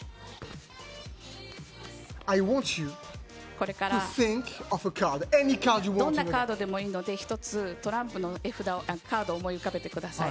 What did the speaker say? これからどんなカードでもいいので一つトランプのカードを思い浮かべてください。